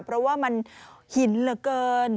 เพราะว่ามันหินเหลือเกิน